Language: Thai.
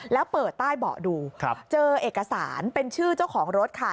แล้วเปิดใต้เบาะดูเจอเอกสารเป็นชื่อเจ้าของรถค่ะ